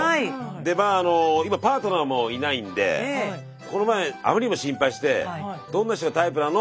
で今パートナーもいないんでこの前あまりにも心配して「どんな人がタイプなの？」